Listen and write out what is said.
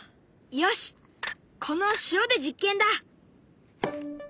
よしこの塩で実験だ。